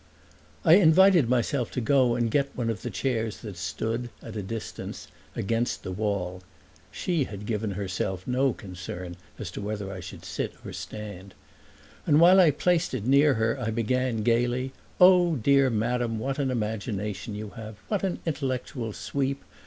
I invited myself to go and get one of the chairs that stood, at a distance, against the wall (she had given herself no concern as to whether I should sit or stand); and while I placed it near her I began, gaily, "Oh, dear madam, what an imagination you have, what an intellectual sweep!